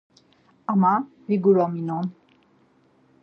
Ama viguraminon.